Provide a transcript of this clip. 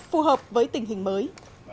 phù hợp với tình hình mới